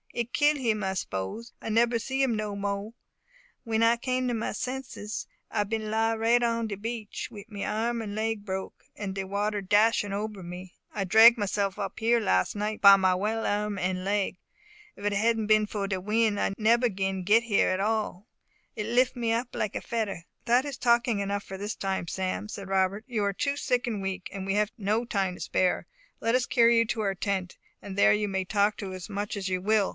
It kill him I s'pose I nebber see him no mo'e. W'en I come to my senses, I bin lie right on de beach, wi' my arm and leg broke, and de water dashin' ober me. I drag myself up here las' night, by my well arm and leg; but if it hadn't bin for de win' I nebber bin git here at all it lif' me up like a fedder." "That is talking enough for this time, Sam," said Robert; "you are too sick and weak, and we have no time to spare. Let us carry you to our tent, and there you may talk as much as you will.